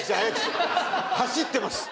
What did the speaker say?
走ってます。